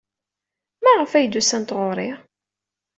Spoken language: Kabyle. Maɣef ay d-usant ɣer-i?